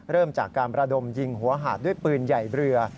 เริ่มจากการประดมยิงหัวหาดด้วยปืนใหญ่เรือ